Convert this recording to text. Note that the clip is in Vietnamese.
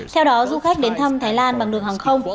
theo đó du khách đến thăm thái lan bằng đường hàng không